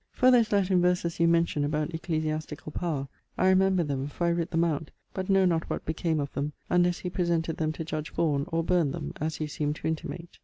For those Latine verses you mention about Ecclesiasticall Power, I remember them, for I writ them out, but know not what became of them, unlesse he presented them to judge Vaughan, or burned them, as you seem to intimate.